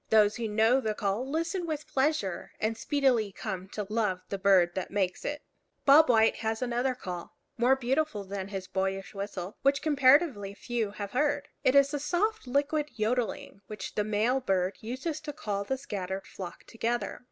Those who know the call listen with pleasure, and speedily come to love the bird that makes it. Bob White has another call, more beautiful than his boyish whistle, which comparatively few have heard. It is a soft liquid yodeling, which the male bird uses to call the scattered flock together.